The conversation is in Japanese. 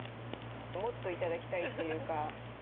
もっと頂きたいというか。